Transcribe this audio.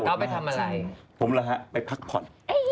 เอาไปทำอะไรผมล่ะฮะไปพักผ่อน